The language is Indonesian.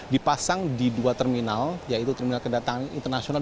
dipasang di dua terminal yaitu terminal kedatangan internasional